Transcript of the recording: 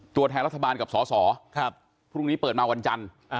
ตัวแทนรัฐบาลกับสอสอพรุ่งนี้เปิดมาวันจันทร์